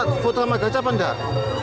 tadi foto sama gajah apa tidak